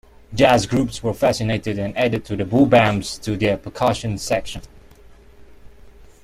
Jazz groups were fascinated and added the boobams to their percussion sections.